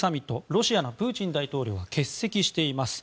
ロシアのプーチン大統領は欠席しています。